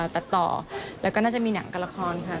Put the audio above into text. ตัดต่อแล้วก็น่าจะมีหนังกับละครค่ะ